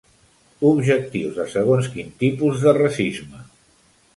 Objectius de segons quin tipus de racisme.